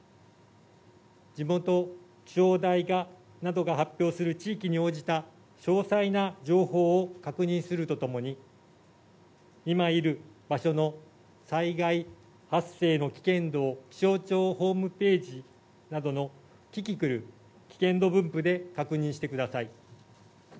地元気象台などが発表する、地域に応じた詳細な情報を確認するとともに、今いる場所の災害発生の危険度を、気象庁ホームページなどのキキクル、危険度分布で確認してください。